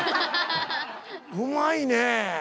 うまいねえ。